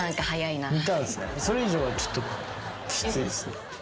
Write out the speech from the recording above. それ以上はちょっときついっすね。